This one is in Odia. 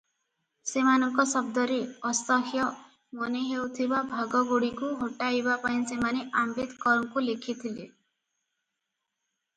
"ସେମାନଙ୍କ ଶବ୍ଦରେ "ଅସହ୍ୟ" ମନେହେଉଥିବା ଭାଗଗୁଡ଼ିକୁ ହଟାଇବା ପାଇଁ ସେମାନେ ଆମ୍ବେଦକରଙ୍କୁ ଲେଖିଥିଲେ ।"